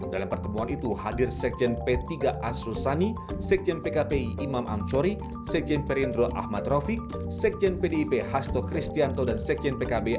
dalam pertemuan itu hadir sekjen p tiga arsulsani sekjen pkpi imam amcori sekjen perindro ahmad raufiq sekjen pdip hasto kristianto dan sekjen pkb abdul qadir kardik